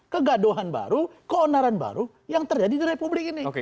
kegaduhan baru keonaran baru yang terjadi di republik ini